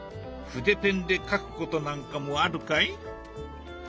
筆ペンで描くことなんかもあるかい？